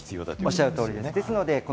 おっしゃる通りです。